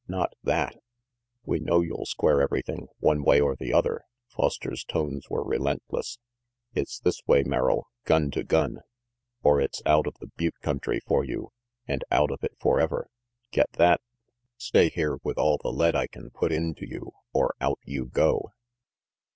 "Not that!" "We know you'll square everything, one way or the other," Foster's tones were relentless. "It's this way, Merrill, gun to gun; or, it's out of the butte country for you, and out of it forever. Get that? Stay here with all the lead I can put into you, or out you go!"